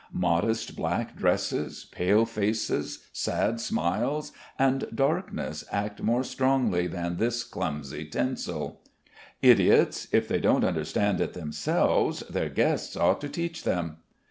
Modest black dresses, pale faces, sad smiles, and darkness act more strongly than this clumsy tinsel. Idiots! If they don't understand it themselves, their guests ought to teach them....